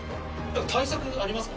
対策ありますか？